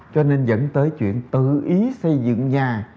cho nên dẫn tới chuyện tự ý xây dựng nhà